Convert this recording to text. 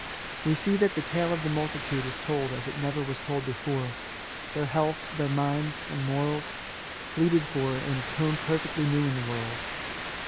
We see that the tale of the multitude is told as it never was told before — ^their health, their minds and morals, pleaded for in a tone perfectly new in the world.